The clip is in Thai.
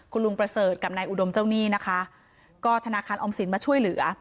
คุณลุงประเสริฐกับนายอุดมเจ้าหนี้นะคะก็ธนาคารออมสินมาช่วยเหลือ